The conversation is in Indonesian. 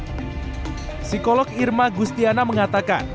psikolog irma gustiana mengatakan